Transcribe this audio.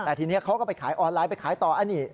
แต่ทีนี้เขาก็ไปขายออนไลน์ไปขายต่ออันนี้